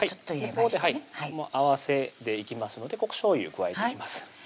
ここで合わせでいきますのでここしょうゆ加えていきます